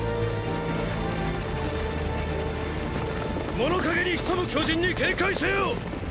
物陰に潜む巨人に警戒せよ！！